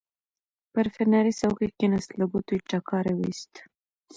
پر فنري څوکۍ کېناست، له ګوتو یې ټکاری وایست.